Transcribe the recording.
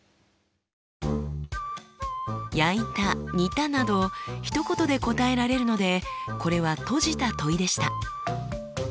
「焼いた」「煮た」などひとことで答えられるのでこれは閉じた問いでした。